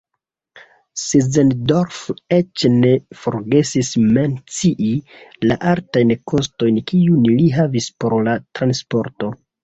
Sinzendorf eĉ ne forgesis mencii la altajn kostojn kiujn li havis por la transporto.